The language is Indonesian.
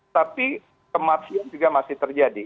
tapi kematian juga masih terjadi